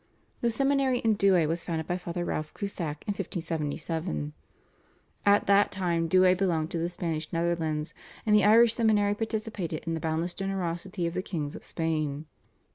The seminary in Douay was founded by Father Ralph Cusack in 1577. At that time Douay belonged to the Spanish Netherlands, and the Irish seminary participated in the boundless generosity of the Kings of Spain.